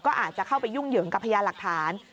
ก็อาจจะเข้าไปยุ่งเหยิงกับพยานหลักฐาน